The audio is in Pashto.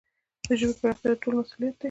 د ژبي پراختیا د ټولو مسؤلیت دی.